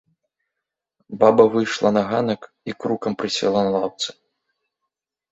Баба выйшла на ганак і крукам прысела на лаўцы.